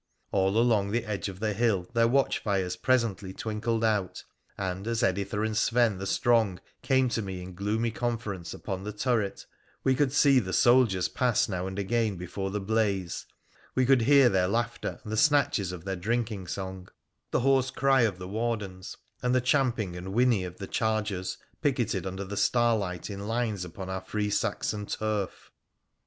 All along the edge of the hill their watch fires presently twinkled out, and as Editha and Sven the Strong came to me in gloomy conference upon the turret we could see the soldiers' pass now and again before the blaze, we could hear their laughter and the snatches of their drinking song, the hoarse cry of the wardens, and the champing and whinny of the chargers picketed under the starlight in lines upon our free Saxon turf.